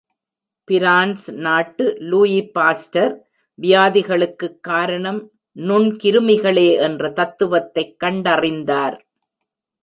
France நாட்டு Louis Pasteur, வியாதிகளுக்குக் காரணம் நுண்கிருமிகளே என்ற தத்துவத்தைக் கண்டறிந்தார்.